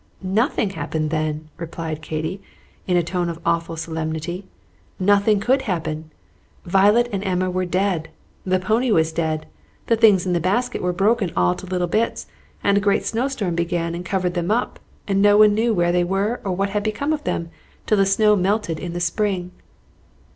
"Nothing happened then," replied Katy, in a tone of awful solemnity; "nothing could happen! Violet and Emma were dead, the pony was dead, the things in the basket were broken all to little bits, and a great snowstorm began and covered them up, and no one knew where they were or what had become of them till the snow melted in the spring."